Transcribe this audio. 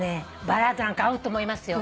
バラードなんか合うと思いますよ。